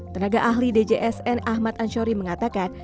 tenaga ahli djsn ahmad anshori mengatakan